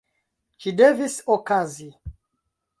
Ĝi devis okazi.